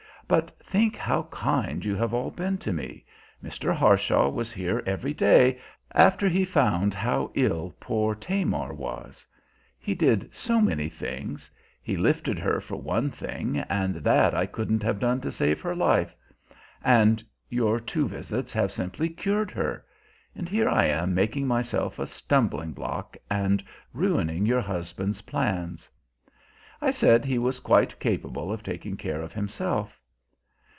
"But think how kind you have all been to me! Mr. Harshaw was here every day, after he found how ill poor Tamar was. He did so many things: he lifted her, for one thing, and that I couldn't have done to save her life. And your two visits have simply cured her! And here I am making myself a stumbling block and ruining your husband's plans!" I said he was quite capable of taking care of himself.